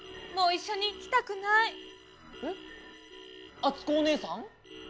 あつこおねえさん？